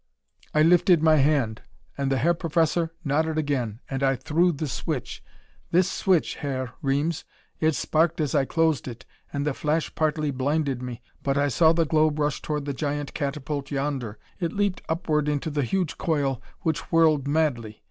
I lifted my hand, and the Herr Professor nodded again, and I threw the switch. This switch, Herr Reames! It sparked as I closed it, and the flash partly blinded me. But I saw the globe rush toward the giant catapult yonder. It leaped upward into the huge coil, which whirled madly.